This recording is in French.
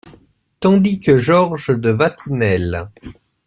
Tandis que Georges de Vatinelle !…